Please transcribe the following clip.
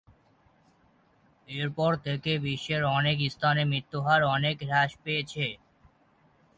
এরপর থেকে বিশ্বের অনেক স্থানে মৃত্যুহার অনেক হ্রাস পেয়েছে।